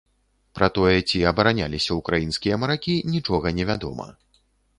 Пра тое, ці абараняліся ўкраінскія маракі, нічога невядома.